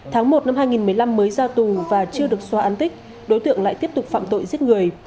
tháng một năm hai nghìn một mươi năm mới ra tù và chưa được xóa án tích đối tượng lại tiếp tục phạm tội giết người